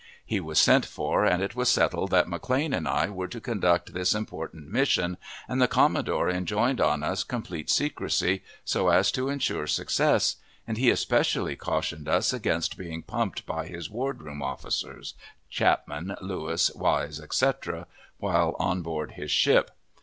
He was sent for, and it was settled that McLane and I were to conduct this important mission, and the commodore enjoined on us complete secrecy, so as to insure success, and he especially cautioned us against being pumped by his ward room officers, Chapman, Lewis, Wise, etc., while on board his ship.